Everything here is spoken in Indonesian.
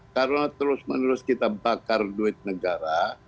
karena terus menerus kita bakar duit negara